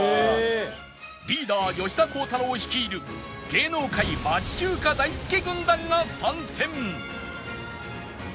リーダー吉田鋼太郎率いる芸能界町中華大好き軍団が参戦！